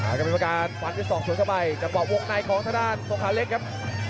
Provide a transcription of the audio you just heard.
แล้วก็มีประการฟันที่๒ส่วนสบายจับบอกวงในของทะดานส่องขาเล็กครับ